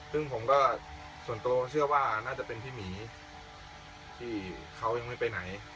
ซึ่งผมก็ส่วนตัวเชื่อว่าน่าจะเป็นพี่หมีที่เขายังไม่ไปไหน